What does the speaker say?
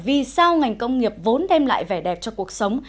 vì sao ngành công nghiệp vốn đem lại vẻ đẹp cho cuộc sống